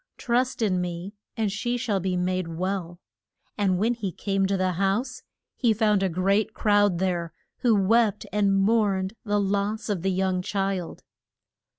Trust in me and she shall be made well. And when he came to the house, he found a great crowd there, who wept and mourned the loss of the young child.